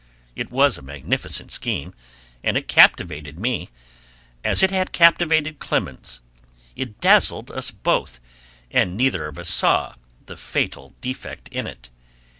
It was a magnificent scheme, and it captivated me, as it had captivated Clemens; it dazzled us both, and neither of us saw the fatal defect in it.